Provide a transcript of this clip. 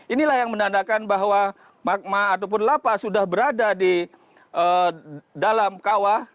inilah yang menandakan bahwa magma ataupun lapa sudah berada di dalam kawah